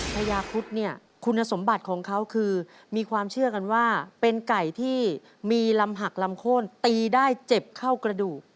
เป็นไก่ที่มีลำหักลำโค้นตีได้เจ็บเข้ากระดูก